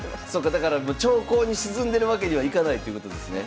だから長考に沈んでるわけにはいかないっていうことですね。